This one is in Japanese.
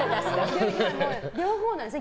両方なんですね